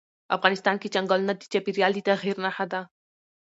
افغانستان کې چنګلونه د چاپېریال د تغیر نښه ده.